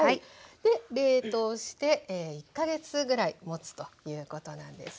で冷凍して１か月ぐらいもつということなんですね。